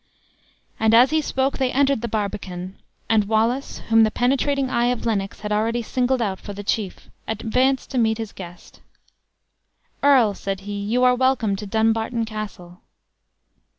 As he spoke they entered the barbican; and Wallace (whom the penetrating eye of Lennox had already singled out for the chief) advanced to meet his guest. "Earl," said he, "you are welcome to Dumbarton Castle."